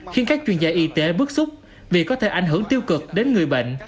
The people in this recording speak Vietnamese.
khiến các chuyên gia y tế bức xúc vì có thể ảnh hưởng tiêu cực đến người bệnh